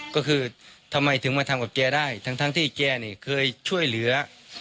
ก็คือทำไมถึงมาทำกับแกได้ทั้งที่แกนี่เคยช่วยเหลือ